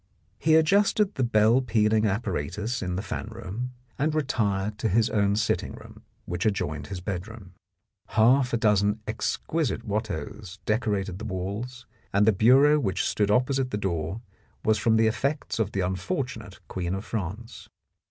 He adjusted the bell pealing apparatus in the fan room, and retired to his own sitting room, which adjoined his bedroom. Half a dozen exquisite Watteaus decorated the walls, and the bureau which stood opposite the door was from the effects of the unfortunate Queen of France.